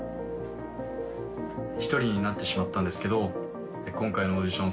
一人になってしまったんですけど今回のオーディション